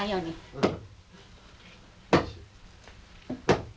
うん。